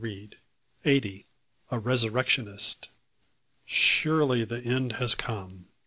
CHAPTER EIGHTY. A RESURRECTIONIST. "Surely the end has come!"